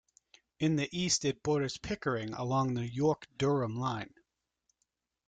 In the East it borders Pickering along the York-Durham Line.